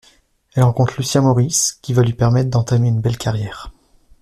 Elle rencontre Lucien Morisse qui va lui permettre d'entamer une belle carrière.